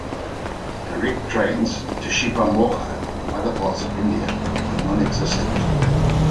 Direct trains to Shivamogga from other parts of India are non-existent.